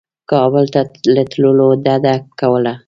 کابل ته له تللو ډده کوله.